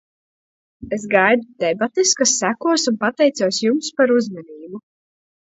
Es gaidu debates, kas sekos, un pateicos jums par uzmanību.